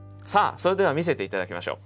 それでは見せて頂きましょう。